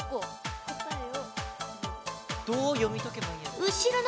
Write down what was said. どう読み解けばいいんやろう？